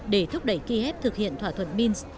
để thúc đẩy kiev thực hiện thỏa thuận minsk